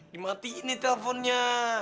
dimatiin nih telfonnya